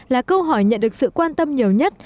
là câu hỏi nhận được sự quan tâm nhiều nhất